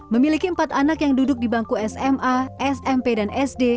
memiliki empat anak yang duduk di bangku sma smp dan sd